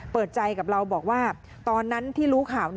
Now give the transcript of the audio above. เปิดใจกับเราบอกว่าตอนนั้นที่รู้ข่าว